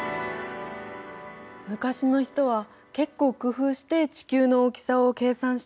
昔の人は結構工夫して地球の大きさを計算したんだね。